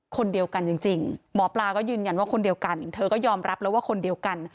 คนเดียวกันจริงหมอปลาก็ยืนยันว่าคนเดียวกันเธอก็ยอมรับแล้วว่าคนเดียวกัน